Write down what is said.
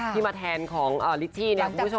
ที่มาแทนของลิชชี่เนี่ยคุณผู้ชม